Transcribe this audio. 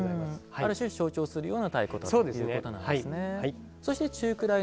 ある種、象徴するような太鼓ということなんですね。